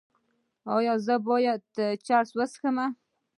ایا زه باید چرس وڅکوم؟